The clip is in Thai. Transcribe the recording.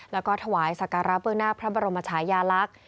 แล้วก็ถวายสักการะเบื้องหน้าพระบรมชายาลักษณ์